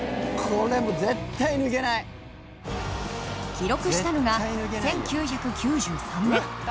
記録したのが１９９３年。